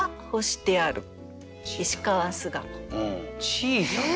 「小さな」